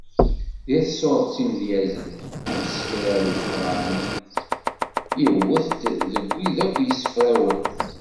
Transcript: Deg tsuret Imedyazen, ameskar n Leqran iwet-d deg wid akk yessefrawen.